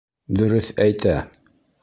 Дөрөҫ әйтә.